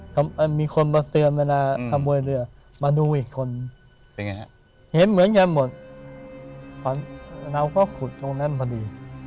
อเจมส์มีคนมาเตือนเวลาถะโมยเรือมาดูอีกคนเห็นเหมือนกันหมดเราก็ขุดตรงนั้นพอดี